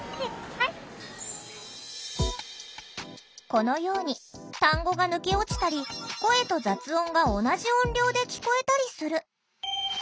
このように単語が抜け落ちたり声と雑音が同じ音量で聞こえたりする。